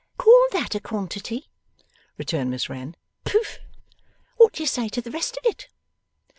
'Call THAT a quantity?' returned Miss Wren. 'Poof! What do you say to the rest of it?